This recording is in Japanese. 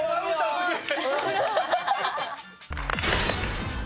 すげえ！